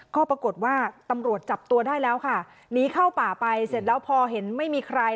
ก็ปรากฏว่าตำรวจจับตัวได้แล้วค่ะหนีเข้าป่าไปเสร็จแล้วพอเห็นไม่มีใคร